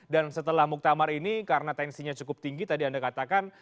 dan setelah muktamar ini karena tensinya cukup tinggi tadi anda katakan